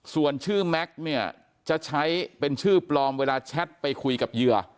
ส่วนชื่อแม็กซ์เนี่ยจะใช้เป็นชื่อปลอมเวลาแชทไปคุยกับเหยื่อ